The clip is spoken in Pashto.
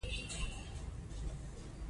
دا په اخلاق کې ځای نه لري.